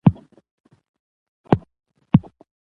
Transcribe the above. افغانستان د چار مغز له پلوه خپله ځانګړې ځانګړتیاوې لري.